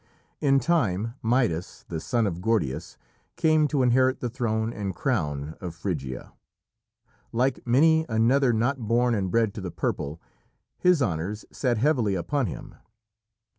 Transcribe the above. In time Midas, the son of Gordias, came to inherit the throne and crown of Phrygia. Like many another not born and bred to the purple, his honours sat heavily upon him.